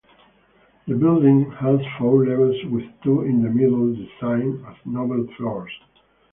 The building has four levels with two in the middle designed as noble floors.